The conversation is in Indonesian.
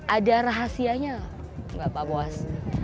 ada rahasianya tidak pak boas